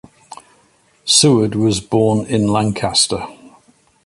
Seward was born in Lancaster.